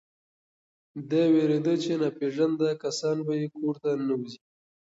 دی وېرېده چې ناپېژانده کسان به یې کور ته ننوځي.